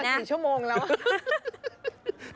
คุณก็กินมา๔ชั่วโมงแล้ว